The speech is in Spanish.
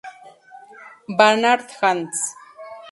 Barnard, Hans.